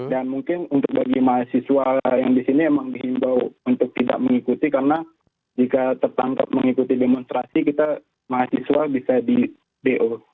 dan mungkin untuk bagi mahasiswa yang di sini emang dihimbau untuk tidak mengikuti karena jika tertangkap mengikuti demonstrasi kita mahasiswa bisa di do